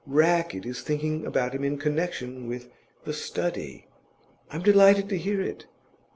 Rackett is thinking about him in connection with The Study." "I'm delighted to hear it."